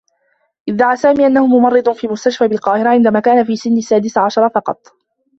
ادّعى سامي أنّه ممرّض في مستشفى بالقاهرة عندما كان في سنّ السّادسة عشر فقط.